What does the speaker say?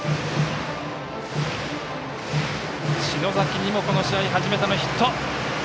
篠崎にもこの試合初めてのヒット。